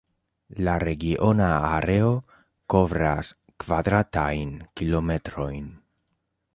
La regiona areo kovras kvadratajn kilometrojn.